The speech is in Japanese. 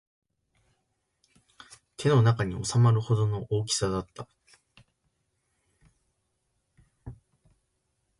手の中に収まるほどの大きさだった